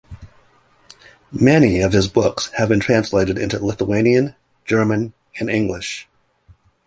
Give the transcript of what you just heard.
Many of his books have been translated into Lithuanian, German and English.